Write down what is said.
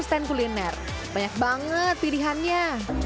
stand kuliner banyak banget pilihannya